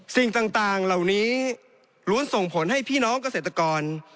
สิ่งต่างเหล่านี้ล้วนส่งผลให้พี่น้องเกษตรกร